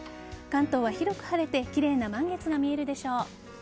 関東は広く晴れて奇麗な満月が見えるでしょう。